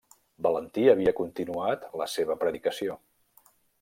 Valentí havia continuat la seva predicació.